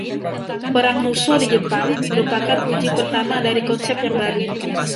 Perang Russo di Jepang merupakan uji pertama dari konsep yang baru.